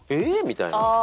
みたいな。